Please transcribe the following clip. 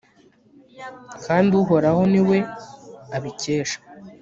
kandi uhoraho ni we abikesha